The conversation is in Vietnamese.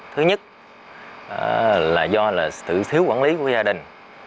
thứ nhất là do là sự thiếu quản lý của gia đình